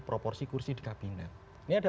proporsi kursi di kabinet ini ada